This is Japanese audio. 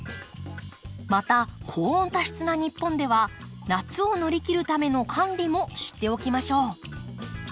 また高温多湿な日本では夏を乗り切るための管理も知っておきましょう。